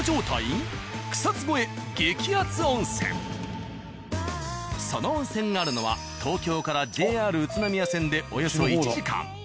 そこはその温泉があるのは東京からＪＲ宇都宮線でおよそ１時間。